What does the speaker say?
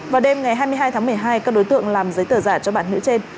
vào đêm ngày hai mươi hai tháng một mươi hai các đối tượng làm giấy tờ giả cho bạn nữ trên